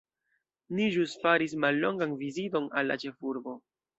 Ni ĵus faris mallongan viziton al la ĉefurbo.